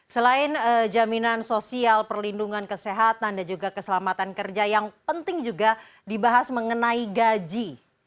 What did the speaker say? selain jaminan sosial perlindungan kesehatan dan juga keselamatan kerja yang penting juga dibahas mengenai gaji